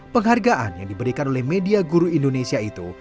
penghargaan yang diberikan oleh media guru indonesia itu